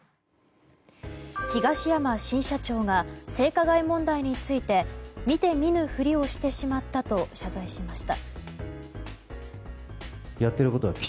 東山新社長が性加害問題について見て見ぬふりをしてしまったと謝罪しました。